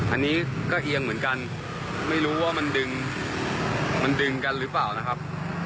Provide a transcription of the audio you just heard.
อันนี้ก็เอียงเหมือนกันไม่รู้ว่ามันดึงมันดึงกันหรือเปล่านะครับ